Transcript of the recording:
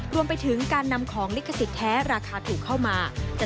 รวมไปถึงการนำของลิขสิทธิแท้ราคาถูกเข้ามา